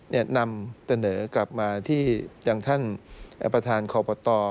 แนะนำเจนเนอร์กลับมาที่อย่างท่านประธานขอบประตอ